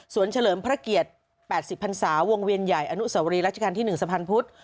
ส่วนเฉลิมพระเกียรติ๘๐พันศาวงเวียนใหญ่อนุสวรีรัชกาลที่๑สะพานพุธ